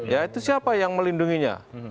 ya itu siapa yang melindunginya